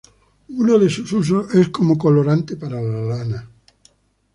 Uno de sus usos es como colorante para la lana.